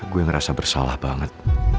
gue ngerasa bersalah banget